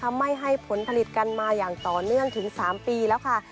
ทำให้ให้ผลผลิตกันมาอย่างต่อเนื่องถึง๓ปีแล้วค่ะ